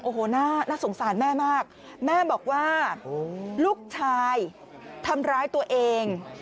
โอ้โหน่าสงสารแม่มากแม่บอกว่าลูกชายทำร้ายตัวเอง